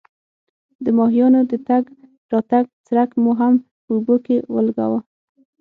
د ماهیانو د تګ راتګ څرک مو هم په اوبو کې ولګاوه.